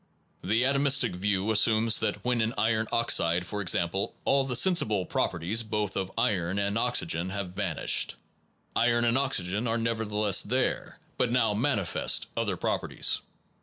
12: The atomistic view assumes that when in iron oxide, for example, all the sensible properties both of iron and oxygen have vanished, iron and oxygen are nevertheless there but now manifest other properties.